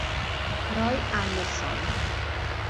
Roy Andersson